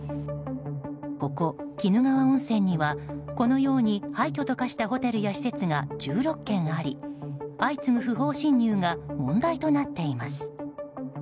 ここ鬼怒川温泉にはこのように廃虚と化したホテルや施設が１６軒あり相次ぐ不法侵入が問題となっています。